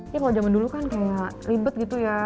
ya kalau zaman dulu kan kayak ribet gitu ya